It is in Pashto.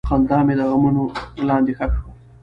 خندا مې د غمونو لاندې ښخ شوه.